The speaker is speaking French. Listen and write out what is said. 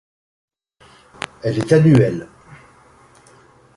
Elle est annuelle.